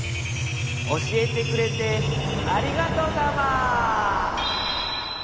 おしえてくれてありがとサマー。